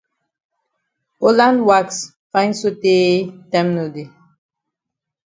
Holland wax fine sotay time no dey.